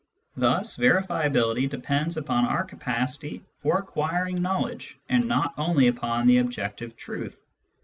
Thus verifiability depends upon our capacity for acquiring knowledge, and not only upon the objective truth.